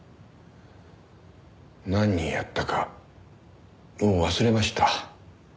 何人殺ったかもう忘れました。